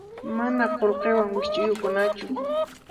Mana qullqiwan wikch'ukunachu.